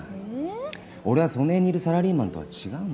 俺はその辺にいるサラリーマンとは違うんだぞ。